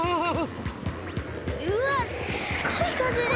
うわっすごいかぜです！